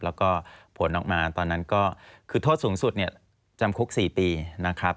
แล้วก็ผลออกมาตอนนั้นก็คือโทษสูงสุดเนี่ยจำคุก๔ปีนะครับ